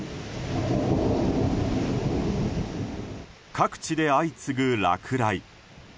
各地で相次ぐ落雷。